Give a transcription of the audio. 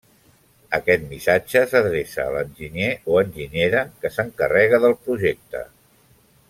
Aquest missatge s'adreça a l'enginyer o enginyera que s'encarrega del projecte.